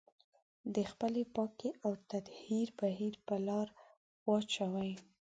د خپلې پاکي او تطهير بهير په لار واچوي.